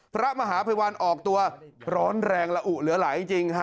พระมหาภัยวันออกตัวร้อนแรงละอุเหลือไหลจริงฮะ